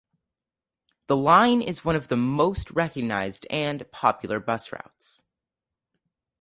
The line is one of the most recognized and popular bus routes.